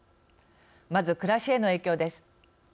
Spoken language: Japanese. まず、暮らしへの影響です。